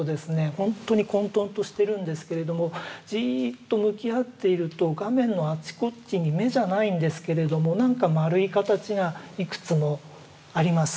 ほんとに混とんとしてるんですけれどもじっと向き合っていると画面のあちこちに眼じゃないんですけれどもなんかまるい形がいくつもあります。